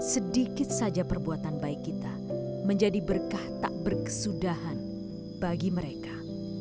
sedikit saja perbuatan baik kita menjadi berkah tak berkesudahan bagi mereka